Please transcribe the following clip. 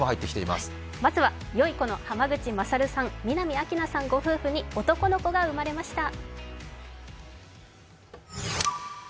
まずはよいこの濱口優さん、南明奈さんご夫婦に男の子が生まれました。